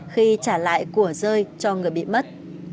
khi trả lại của rơi cho người bị mất